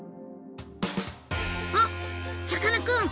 あっさかなクン！